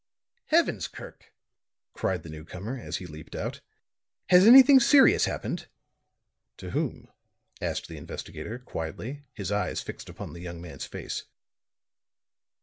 "Heavens, Kirk!" cried the newcomer, as he leaped out, "has anything serious happened?" "To whom?" asked the investigator, quietly, his eyes fixed upon the young man's face.